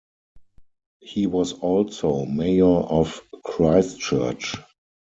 He was also Mayor of Christchurch.